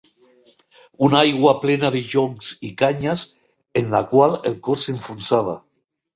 Una aigua plena de joncs i canyes en la qual el cos s'enfonsava